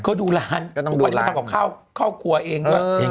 เขาดูร้านวันนี้ทำกับข้าวคั่วกลัวเองเอง